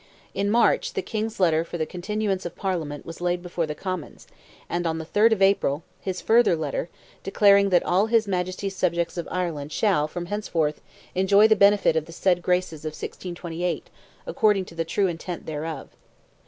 In March, the King's letter for the continuance of Parliament was laid before the Commons, and on the 3rd of April, his further letter, declaring that all his Majesty's subjects of Ireland "shall, from henceforth, enjoy the benefit of the said graces [of 1628] according to the true intent thereof."